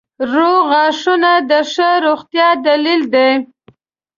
• روغ غاښونه د ښه روغتیا دلیل دی.